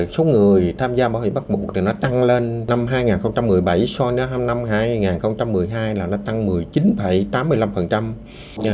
số người tham gia bảo hiểm bắt buộc tăng lên năm hai nghìn một mươi bảy so với năm hai nghìn một mươi hai tăng một mươi chín tám mươi năm